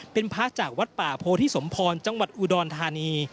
เป็นพระจากวัดป่าโพธิสมพรจังหวัดอุดรธานี